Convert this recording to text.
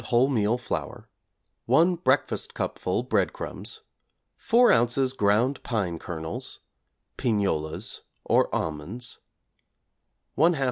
whole meal flour, 1 breakfastcupful breadcrumbs, 4 ozs. ground pine kernels, pignolias or almonds, 1/2 lb.